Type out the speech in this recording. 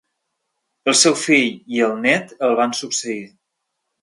El seu fill i el net el van succeir.